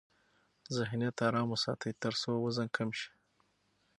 ذهنیت آرام وساتئ ترڅو وزن کم شي.